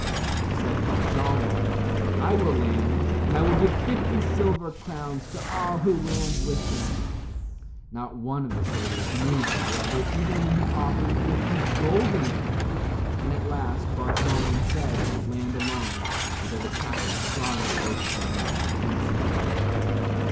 Said Bar Shalmon, "I will land, and I will give fifty silver crowns to all who land with me." Not one of the sailors moved, however, even when he offered fifty golden crowns, and at last Bar Shalmon said he would land alone, although the captain strongly urged him not to do so.